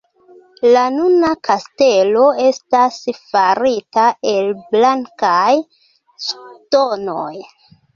La nuna kastelo estas farita el blankaj ŝtonoj.